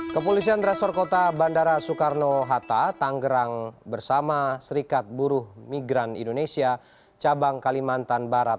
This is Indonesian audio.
kepolisian resor kota bandara soekarno hatta tanggerang bersama serikat buruh migran indonesia cabang kalimantan barat